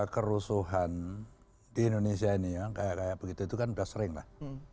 kerusuhan di indonesia ini ya kayak begitu kan sudah sering lah